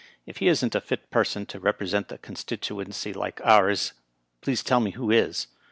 If he isn't a fit person to represent a constituency like ours, please tell me who is."